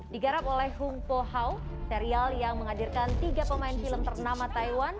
digarap oleh hung poho serial yang menghadirkan tiga pemain film ternama taiwan